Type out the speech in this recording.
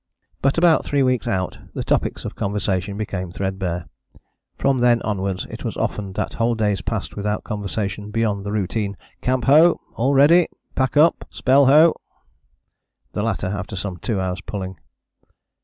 But about three weeks out the topics of conversation became threadbare. From then onwards it was often that whole days passed without conversation beyond the routine Camp ho! All ready? Pack up. Spell ho. The latter after some two hours' pulling.